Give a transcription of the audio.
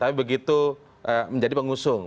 tapi begitu menjadi pengusung